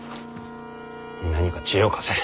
何か知恵を貸せ。